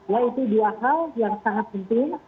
ya itu dua hal yang sangat penting